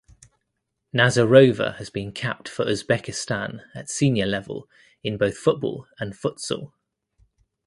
Nazarova has been capped for Uzbekistan at senior level in both football and futsal.